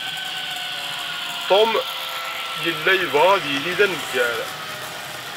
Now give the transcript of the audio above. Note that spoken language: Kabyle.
Tom yella yebɣa ad yili d aneggar.